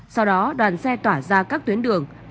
sau đó đoàn xe tỏa ra các tuyến đường